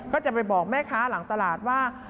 ก็จะไปบอกแม่ค้าหลังตลาดว่า